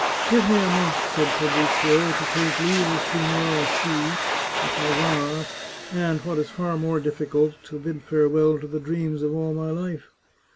" Give me a month," said Fabrizio, " to take leave of Signora C at Novara, and, what is far more difficult, to bid farewell to the dreams of all my life.